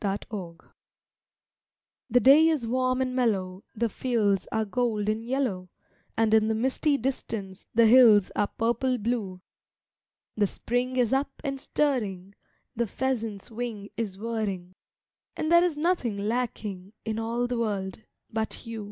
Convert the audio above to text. TO —— The day is warm and mellow, The fields are gold and yellow, And in the misty distance The hills are purple blue. The Spring is up and stirring, The pheasant's wing is whirring, And there is nothing lacking In all the world, but you.